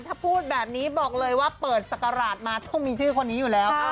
ถ้าพูดแบบนี้บอกเลยว่าเปิดศักราชมาต้องมีชื่อคนนี้อยู่แล้ว